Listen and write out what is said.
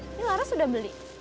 ini laras udah beli